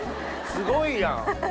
すごいやん！